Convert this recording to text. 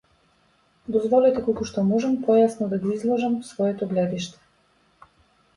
Дозволете колку што можам појасно да го изложам своето гледиште.